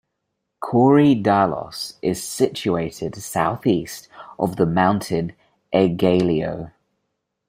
Korydallos is situated southeast of the mountain Aegaleo.